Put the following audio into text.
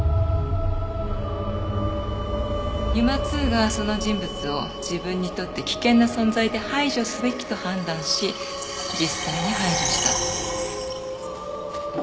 ＵＭＡ−Ⅱがその人物を自分にとって危険な存在で排除すべきと判断し実際に排除した。